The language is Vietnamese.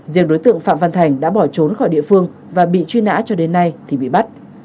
riêng đối tượng phạm văn thành đã bỏ trốn khỏi địa phương và bị truy nã cho đến nay thì bị bắt